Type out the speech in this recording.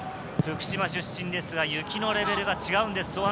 福島出身ですが、雪のレベルが違うんです。